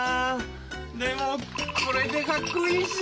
でもこれかっこいいし